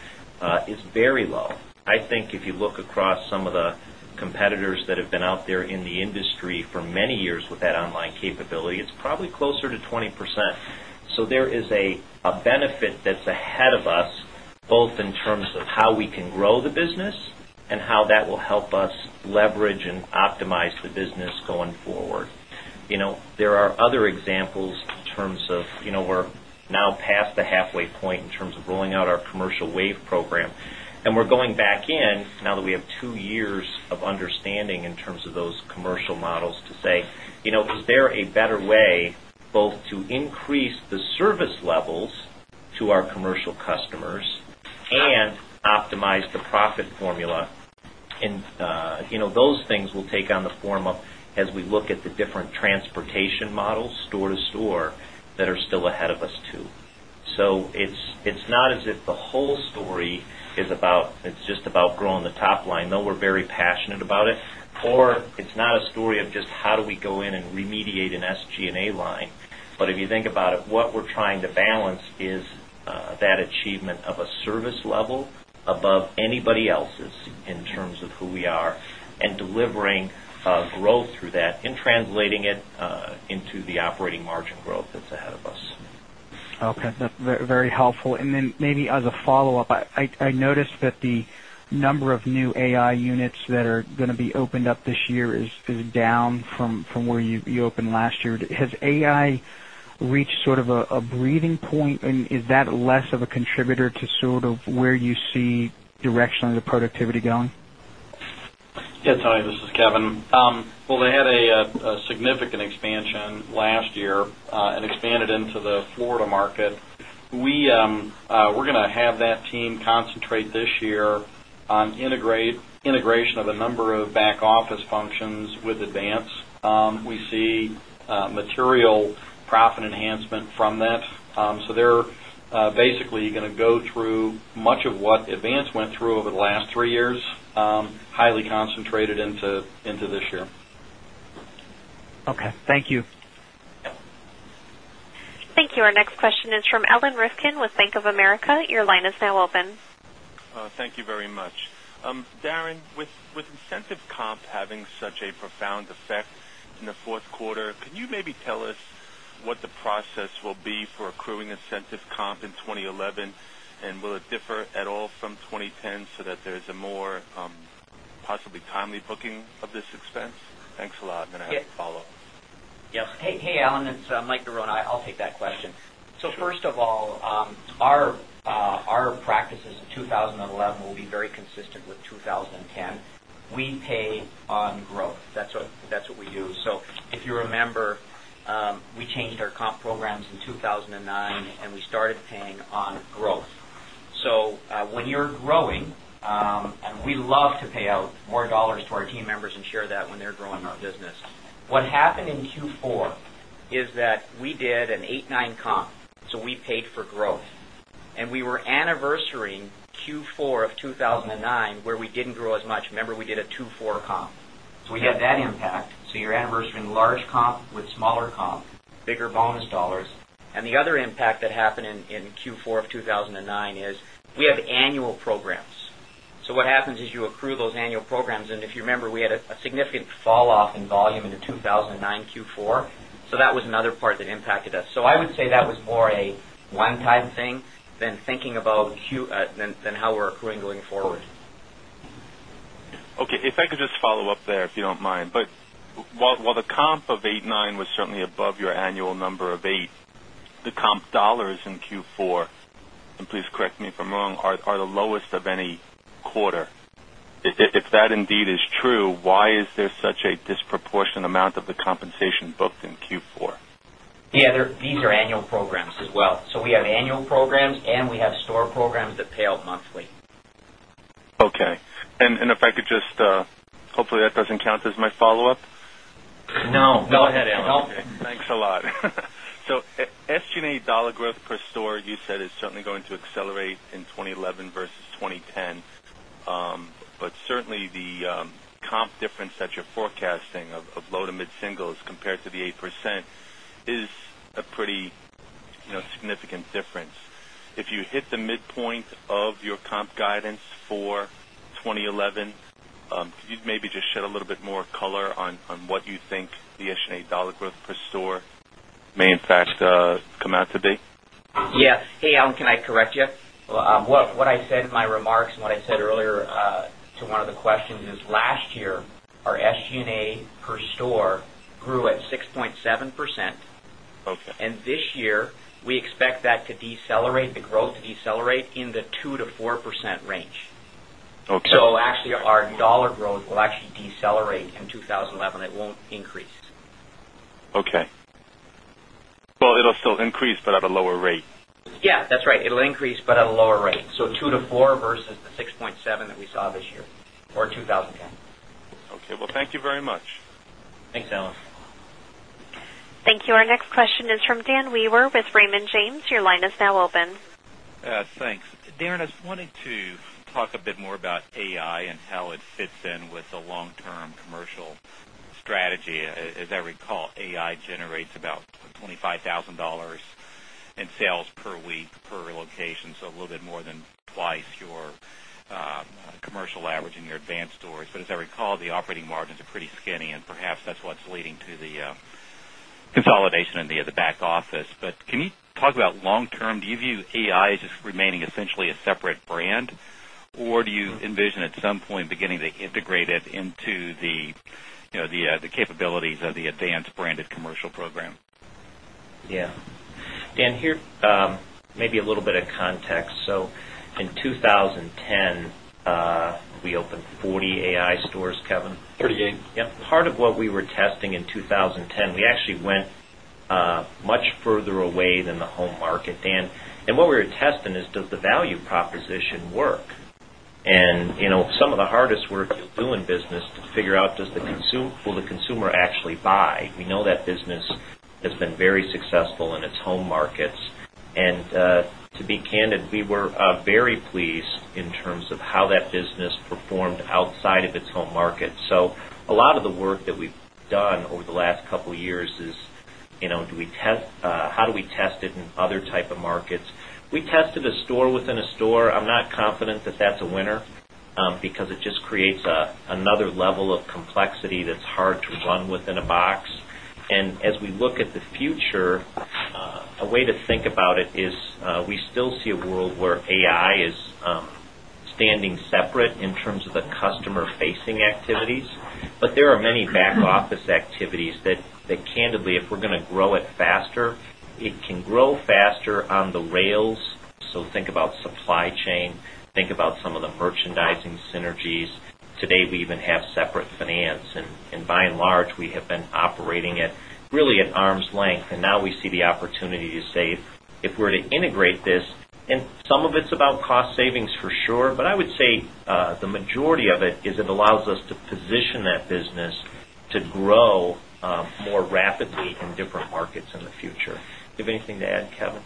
is very low. I think if you look across some of the competitors that have been out there in the industry for many years with that online capability, it's probably closer to 20%. So there is a benefit that's ahead of us, both in terms of how we can grow the business and how that will help us leverage and optimize the business going forward. There are other examples in terms of we're now past the halfway point in terms of rolling out our commercial wave program. And we're going back in, now that we have 2 years of understanding in terms of those commercial models to say, was there a better way both to increase the service levels to our commercial customers and optimize the profit formula. And those things will take on the form of as we look at the different transportation models store to store that are still ahead of us too. So it's not as if the whole story is about it's just about growing the top line, though we're very passionate about it, or it's not a story of just how do we go in and remediate an SG and A line. But if you think about it, what we're trying to balance is that achievement of a service level above anybody else's in terms of who we are and delivering growth through that and translating it into the operating margin growth that's ahead of us. Okay. That's very the operating margin growth that's ahead of us. Okay. That's very helpful. And then maybe as a follow-up, I noticed that the number of new AI units that are going to be opened up this year is down from where you opened last year. Has AI reached sort of a breathing point and is that less of a contributor to sort of where you see directionally the productivity going? Yes, Tony, this is Kevin. Well, they had a significant expansion last year and expanded into the Florida market. We're going to have that team concentrate this year on integration of a number of back office functions with Advance. We see material profit enhancement from that. So they're basically going to go through much of what Advance went through over the last 3 years, highly concentrated into this year. Okay. Thank you. Thank you. Our next question is from Alan Rifkin with Bank of America. Your line is now open. Thank you very much. Darren, with incentive comp having such a profound effect in the Q4, could you maybe tell us what the process will be for accruing incentive comp in 2011? And will it differ at all from 2010 so that there is a more possibly timely booking of this expense? Thanks a lot. And then I have a follow-up. Yes. Hey, Alan, it's Mike Dorone. I'll take that question. So first of all, our practices in 2011 will be very consistent with 2010. We pay on growth. That's what we use. So if you remember, we changed our comp programs in 2,009 and we started paying on growth. So when you're growing and we love to pay out more dollars to our team members and share that when they're growing our business. What happened in Q4 is that we did an 8, 9 comp. So we paid for growth and we were anniversarying Q4 of 2009 where we didn't grow as much. Remember, we did a 2.4 comp. So we had that impact. So you're anniversarying large comp with smaller comp, bigger bonus dollars. And the other impact that happened in Q4 of 2009 is we have annual programs. So what happens is you accrue those annual programs and if you remember we had a significant fall off in volume in the 2,009 Q4. So that was another part that impacted us. So I would say that was more a one time thing than thinking about how we're accruing going forward. Okay. If I could just follow-up there, if you don't mind. But while the comp of 8, 9 was certainly above your annual number of 8, the comp dollars in Q4, and please correct me if I'm wrong, are the lowest of any quarter. If that indeed is true, why is there such a disproportionate amount of the compensation booked in Q4? Yes, these are annual programs as well. So we have annual programs and we have store programs that pay out monthly. Okay. And if I could just hopefully that doesn't count as my follow-up? No, go ahead, Alan. Thanks a lot. So SG and A dollar growth per store, you said is certainly going to accelerate in 2011 versus 2010. But certainly the comp difference that you're forecasting of low to mid singles compared to the 8% is a pretty significant difference. If you hit the midpoint of your comp guidance for 2011, could you maybe just shed a little bit more color on what you think the SG and A dollar growth per store may in fact come out to be? Yes. Hey, Alan, can I correct you? What I said in my remarks and what I said earlier to one of the questions is last year, our SG and A per store grew at 6.7%. Okay. And this year, we expect that to decelerate, the growth to decelerate in the 2% to 4% range. So actually, our dollar growth will actually decelerate in 2011, it won't increase. Okay. Well, it will still increase, but at a lower rate? Yes, that's right. It will increase, but at a lower rate. So 2% to 4% versus the 6.7% that we saw this year or 20 10%. Okay. Well, thank you very much. Thanks, Alan. Thank you. Our next question is from Dan Weaver with Raymond James. Your line is now open. Thanks. Darren, I just wanted to talk a bit more about AI and how it fits in with the long term commercial strategy. As I recall, AI generates about $25,000 in sales per week per location, so a little bit more than twice your commercial average in your advanced stores. But as I recall, the operating margins are pretty skinny and perhaps that's what's leading to the consolidation in the back office. But can you talk about long term, do you view AI as just remaining essentially a separate brand? Or do you envision at some point beginning to integrate it into the capabilities of the Advanced branded commercial program? Yes. Dan, here maybe a little bit of context. So in 2010, we opened 40 AI stores, Kevin. 48. Yes. Part of what we were testing in 2010, we actually went much further away than the home market, Dan. And what we were testing is, does the value proposition work? And some of the hardest work you'll do in business to figure out does the consumer will the consumer actually buy. We know that business has been very successful in its home markets. And to be candid, we were very pleased in terms of how that business performed outside of its home market. So a lot of the work that we've done over the last couple of years is do we test how do we test it in other type of markets. We tested a store within a store. I'm not confident that that's a winner, because it just creates another level of complexity that's hard to run within a box. And as we look at the future, a way to think about it is, we still see a world where AI is standing separate in terms of the customer facing activities. But there are many back office activities that candidly, if we're going to grow it faster, it can grow faster on the rails. So think about supply chain, think about some of the merchandising synergies. Today, we even have separate finance. And by and large, we have been operating it really at arm's length. And now we see the opportunity to say, if we were to integrate this, and some of it's about cost savings for sure, but I would say the majority of it is it allows us to position that business to grow more rapidly in different markets in the future. Do you have anything to add, Kevin?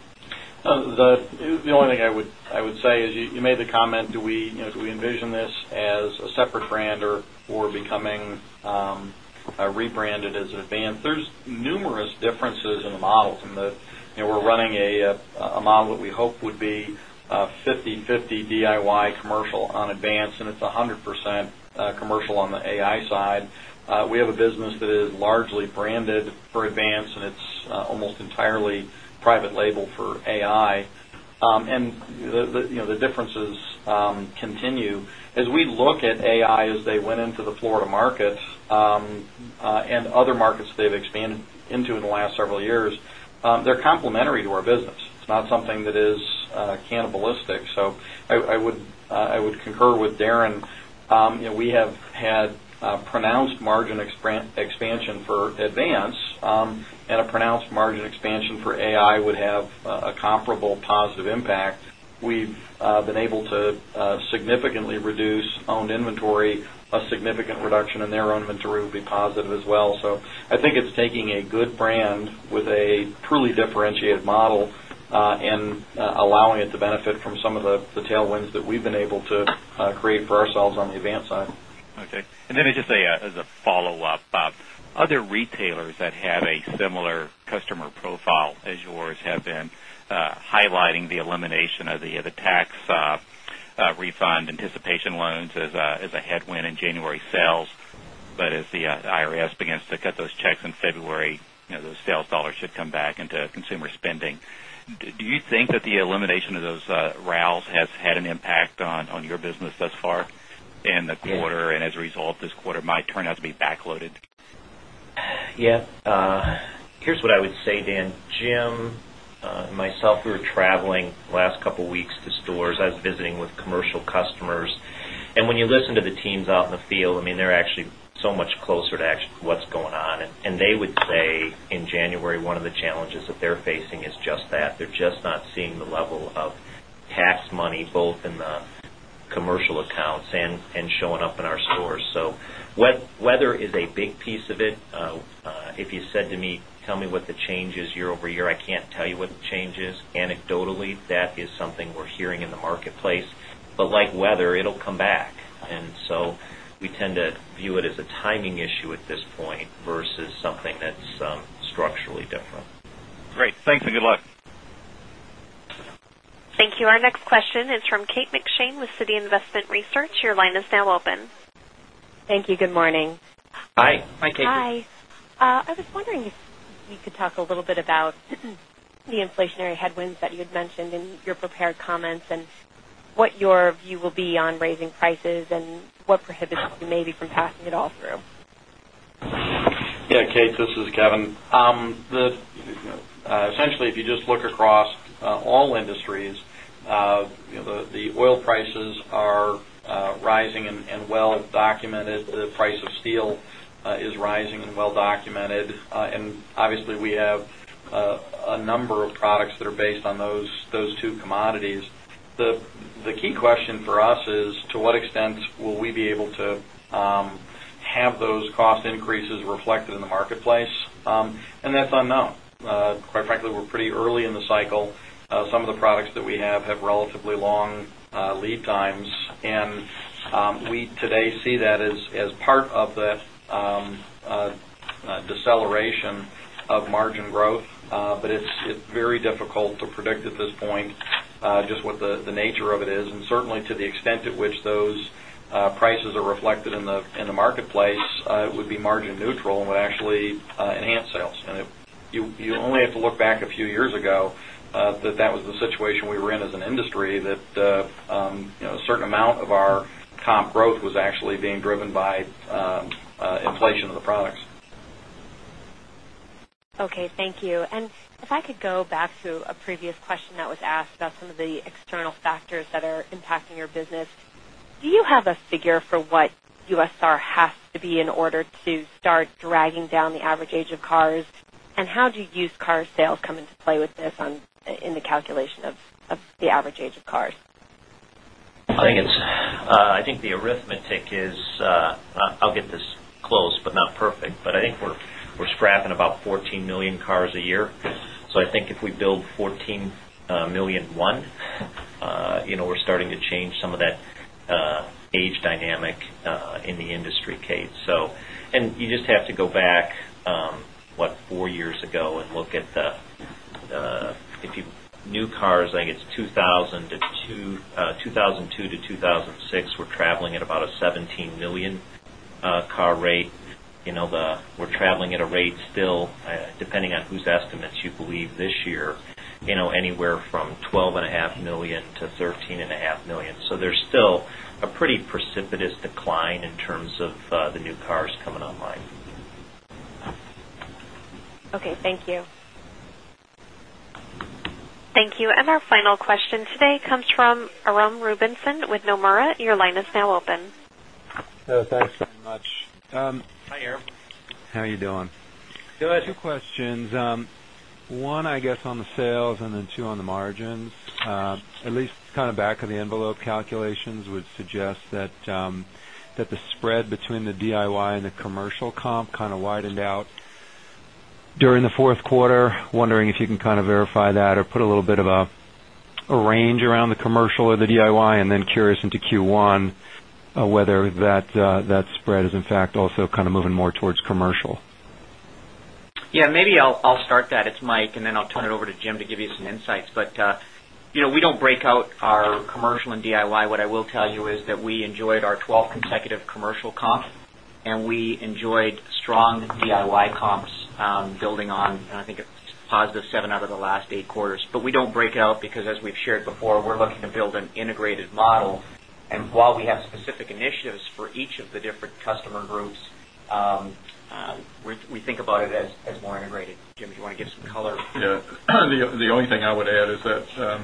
The only thing I would say is you made the comment, do we envision this as a separate brand or becoming rebranded as Advance. There's numerous differences in the models and we're running a model that we hope would be fifty-fifty DIY commercial on Advance and it's 100% commercial on the AI side. We have a business that is largely branded for Advance and it's almost entirely private label for AI. And the differences continue. As we look at AI as they went into the Florida market and other markets they've expanded into in the last several years, they're complementary to our business. It's not something that is cannibalistic. So, I would concur with Darren, we have had a pronounced margin expansion for Advance and a pronounced margin expansion for AI would have a comparable positive impact. Expansion for AI would have a comparable positive impact. We've been able to significantly reduce owned inventory, a significant reduction in their own inventory would be positive as well. So I think it's taking a good brand with a truly differentiated model and allowing it to benefit from some of the tailwinds that we've been able to create for ourselves on the Avance side. Okay. And then just as a follow-up, other retailers that have a similar customer profile as yours have been highlighting the elimination of the tax refund anticipation loans as a headwind in January sales. But as the IRS begins to cut those checks in February, those sales dollars should come back into consumer spending. Do you think that the elimination of those RALs has had an impact on your business thus far in the quarter? And as a result, this quarter might turn out to be backloaded? Yes. Here's what I would say, Dan. Jim and myself, we were traveling last couple of weeks to stores. I was visiting with commercial customers. And when you listen to the teams out in the field, I mean, they're actually so much closer to what's going on. And they would say in January, one of the challenges that they're facing is just that. They're just not seeing the level of tax money, both in the commercial accounts and showing up in stores. So weather is a big piece of it. If you said to me, tell me what the change is year over year, I can't tell you what the change is. Anecdotally, that is something we're hearing in the marketplace. But like weather, it will come back. And so we tend to view it as a timing issue at this point versus something that's structurally different. Great. Thanks and good luck. Thank you. Our next question is from Kate McShane with Citi Investment Research. Your line is now open. Thank you. Good morning. Hi. Hi, Kate. Hi. I was wondering if you could talk a little bit about the inflationary headwinds that you had mentioned in your prepared comments and what your view will be on raising prices and what prohibits you maybe from passing it all through? Yes, Kate, this is Kevin. Essentially, if you just look across all industries, the oil prices are rising and well documented. The price of steel is rising and well documented. And obviously, we have a number of products that are based on those two commodities. The key question for us is to what extent will we be able to have those cost increases reflected in the marketplace and that's unknown. Quite frankly, we're pretty early in the cycle. Some of the products that we have have relatively long lead times and we today see that as part of that deceleration of margin growth, but it's very actually enhance sales. And you only have to look back a few years ago that that was the situation we were in as an industry that a certain amount of our comp growth was actually being driven by inflation of the products. Okay. Thank you. And if I could go back to a previous question that was asked about some of the external factors that are impacting your business. Do you have a figure for what USR has to be in order to start dragging down the average age of cars? And how do used car sales come into play with this in the calculation of the average age of cars? I think the arithmetic is I'll get this close, but perfect, but I think we're scrapping about 14,000,000 cars a year. So I think if we build 14,000,001, we're starting to change some of that age dynamic in the industry, Kate. So and you just to go back, what, 4 years ago and look at the new cars, I guess, 2,002 to 2,006 were traveling at about a 17,000,000 dollars car rate. We're traveling at a rate still, depending on whose estimates you believe this year, anywhere from $12,500,000 to $13,500,000 So there's still a pretty precipitous decline in terms of the new cars coming online. Okay. Thank you. Thank you. And our final question today comes from Arun Rubinson with Nomura. Your line is now open. Hello. Thanks very much. Hi, Aaron. How are you doing? Good. Two questions. 1, I guess, on the sales and then 2 on the margins. At least kind of back of the envelope calculations would suggest that the spread between the DIY and the commercial comp kind of widened out during the Q4. Wondering if you can kind of verify that or put a little bit of a range around the commercial or the DIY and then curious into Q1 whether that spread is in fact also moving more towards commercial? Yes, maybe I'll start that. It's Mike and then I'll turn it over to Jim to give you some insights. But we don't break out our commercial and DIY. What I will tell you is that we enjoyed our 12 consecutive commercial comp and we enjoyed strong DIY comps building on, I think, it's positive 7 out of the last 8 quarters. But we don't break out because as we've shared before, we're looking to build an integrated model. And while we have specific initiatives for each of the different customer groups, we think about it as more integrated. Jim, do you want to give some color? Yes. The only thing I would add is that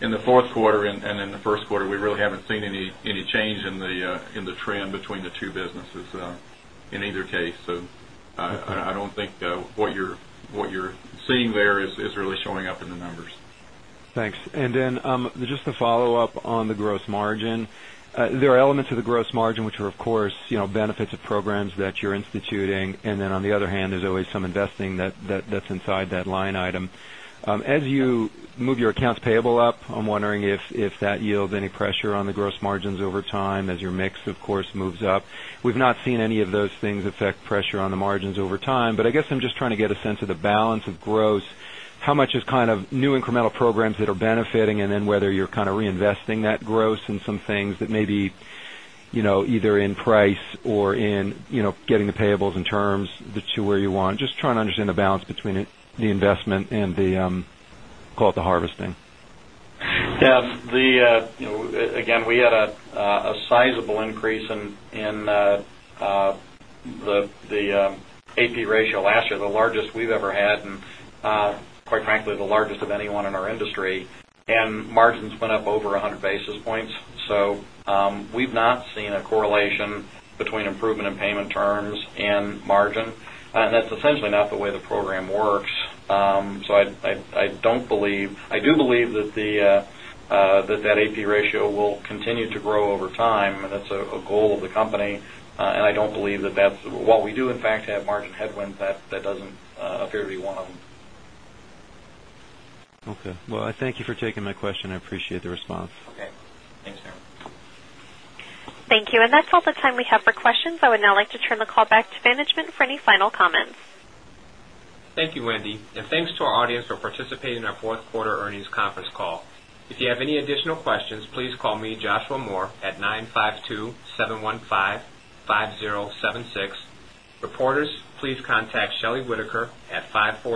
in the Q4 and in the Q1, we really haven't seen any change in the trend between the two businesses in either case. So I don't think what you're seeing there is really showing up in the numbers. Thanks. And then just a follow-up on the gross margin. There are elements of the gross margin, which are of course benefits of programs that you're instituting. And then on the other hand, there's always some investing that's inside that line. I think that's instituting. And then on the other hand, there's always some investing that's inside that line item. As you move your accounts payable up, I'm wondering if that yields any pressure on the gross margins over time as your mix, of course, moves up. We've not seen any of those things affect pressure on the margins over time. But I guess I'm just trying to get a sense of the balance of the those things affect pressure on the margins over time. But I guess I'm just trying to get a sense of the balance of gross. How much is kind of new incremental programs that are benefiting and then whether you're kind of reinvesting that gross in some things that may be either in price or in getting the payables in terms, the 2 where you want. Just trying to understand the balance between the investment and the, call it, the harvesting. Yes. Again, we had a sizable increase in the AP ratio last year, the largest we've ever had and quite frankly, the largest of anyone in our industry and margins went up over 100 basis points. So, we've not seen a correlation between improvement in payment terms and margin and that's essentially not the way the program works. So, I don't believe I do believe that the that AP ratio will continue to grow over time and that's a goal of the company and I don't believe that that's while we do in fact have margin headwinds, that doesn't appear to be one of them. Okay. Well, I thank you for taking my question. I appreciate the response. Okay. Thanks, Aaron. Thank you. And that's all the time we have for questions. I would now like to turn the call back to management for any final comments. Thank you, Wendy, and thanks to our audience for participating in our Q4 earnings conference call. If you have any additional questions, please call me, Joshua Moore, at 952-715-5076. Reporters, please contact Shelly Whitaker at 540-561-845.